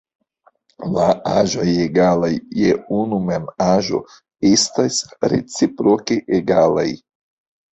La aĵoj egalaj je unu mem aĵo estas reciproke egalaj.